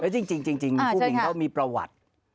จริงผู้หญิงเขามีประวัติ